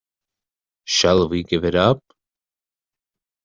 Shall we give it up?